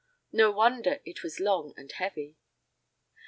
No wonder it was long and heavy!